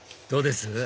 どうです？